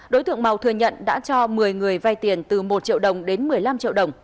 đối tượng màu thừa nhận đã cho một mươi người vay tiền từ một triệu đồng đến một mươi năm triệu đồng